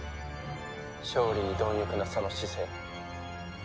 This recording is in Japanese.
勝利に貪欲なその姿勢。